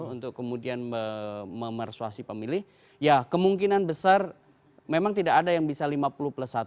untuk kemudian memersuasi pemilih ya kemungkinan besar memang tidak ada yang bisa lima puluh plus satu